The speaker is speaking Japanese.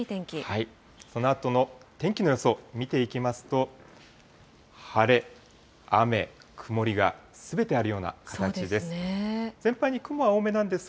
このあとの天気の予想、見ていきますと、晴れ、雨、曇りがすべてあるような感じです。